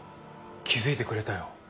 気付いてくれたよ